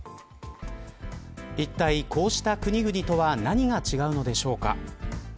いったい、こうした国々とは何が違うのでしょうか。